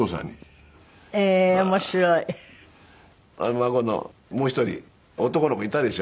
孫のもう一人男の子いたでしょ？